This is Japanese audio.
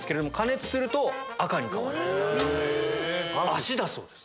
足だそうです。